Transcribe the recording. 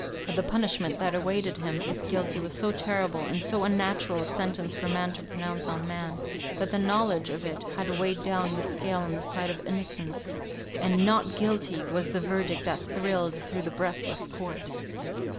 But the punishment that awaited him, if guilty, was so terrible, and so unnatural a sentence for man to pronounce on man, that the knowledge of it had weighed down the scale on the side of innocence, and "Not Guilty" was the verdict that thrilled through the breathless court.